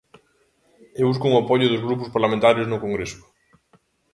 E buscan o apoio dos grupos parlamentarios no Congreso.